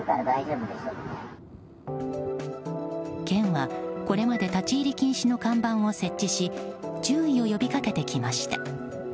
県はこれまで立ち入り禁止の看板を設置し注意を呼びかけてきました。